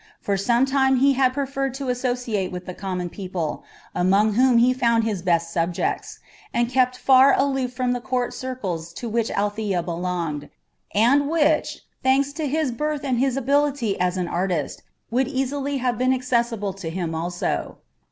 For some time he had preferred to associate with the common people, among whom he found his best subjects, and kept far aloof from the court circles to which Althea belonged, and which, thanks to his birth and his ability as an artist, would easily have been accessible to him also.